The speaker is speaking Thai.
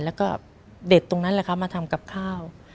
แล้วก็เด็ดตรงนั้นแหละครับมาทำกับข้าว